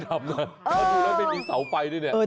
เขาถึงแล้วเป็นติดเสาไปด้วยเนี่ย